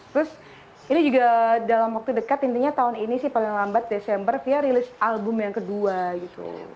terus ini juga dalam waktu dekat intinya tahun ini sih paling lambat desember fia rilis album yang kedua gitu